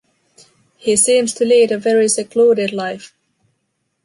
He seems to lead a very secluded life.